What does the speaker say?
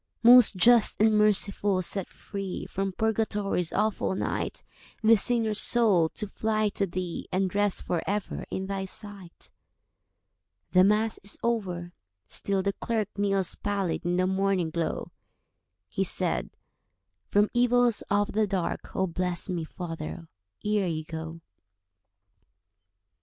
"Most Just and Merciful, set free From Purgatory's awful night This sinner's soul, to fly to Thee, And rest for ever in Thy sight." The Mass is over—still the clerk Kneels pallid in the morning glow. He said, "From evils of the dark Oh, bless me, father, ere you go.